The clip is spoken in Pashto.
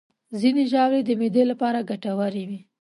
ځینې ژاولې د معدې لپاره ګټورې وي.